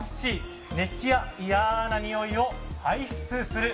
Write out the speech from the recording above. Ｃ、熱気や嫌なにおいを排出する。